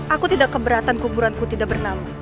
aku tidak keberatan kuburanku tidak bernama